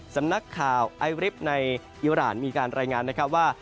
สำนักข่าวไอริฟต์ในอิราณมีการรายงานนะครับว่า